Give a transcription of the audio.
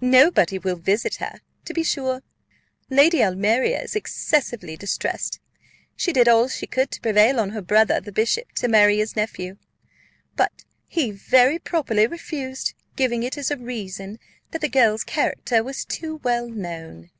Nobody will visit her, to be sure. Lady Almeria is excessively distressed; she did all she could to prevail on her brother, the bishop, to marry his nephew, but he very properly refused, giving it as a reason, that the girl's character was too well known."